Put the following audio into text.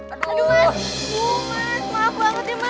aduh mas maaf banget ya mas